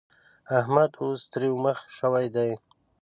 احمد اوس تريو مخی شوی دی.